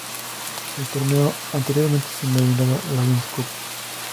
El torneo anteriormente se denominaba Lions Cup.